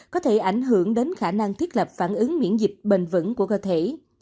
có thể ảnh hưởng đến khả năng thiết lập phản ứng miễn dịch bền vững của cơ thể